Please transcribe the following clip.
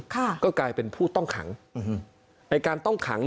ค่ะก็กลายเป็นผู้ต้องขังอืมไอ้การต้องขัง